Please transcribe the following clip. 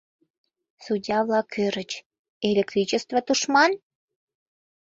Судья-влакат ӧрыч: электричество — тушман?!